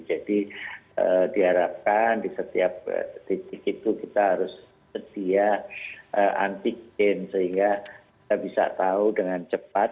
jadi diharapkan di setiap titik itu kita harus setia antikin sehingga kita bisa tahu dengan cepat